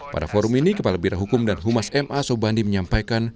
pada forum ini kepala birohukum dan humas ma sobandi menyampaikan